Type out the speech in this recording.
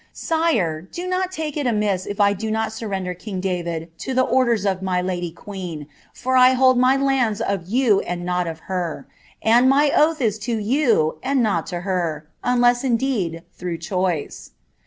iue, do not take it amiss if I did not surrender king David, to the jfden of my lady queen, for I hold my lands of you and not of her^ md my oath is to you, and not to her, unless, indeed, through choice."